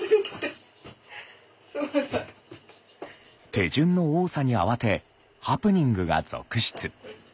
手順の多さに慌てハプニングが続出。